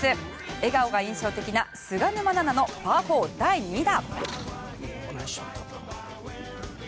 笑顔が印象的な菅沼菜々のパー４第２打。